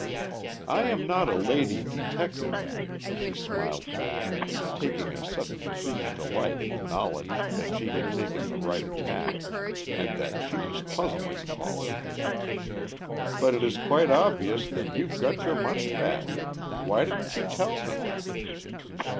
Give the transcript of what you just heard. "I am not a lady detective," she smiled back, taking a sudden keen delight in the knowledge that she had taken the right tack, and that she was puzzling Pollard. "But it is quite obvious that you've got your money back! Why didn't you tell me?"